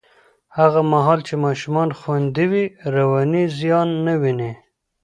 هغه مهال چې ماشومان خوندي وي، رواني زیان نه ویني.